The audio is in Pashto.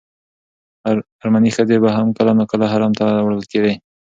ارمني ښځې به هم کله ناکله حرم ته وړل کېدې.